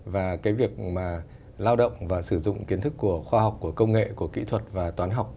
và cái việc mà lao động và sử dụng kiến thức của khoa học của công nghệ của kỹ thuật và toán học